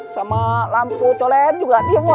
sama lampu colen juga diam woy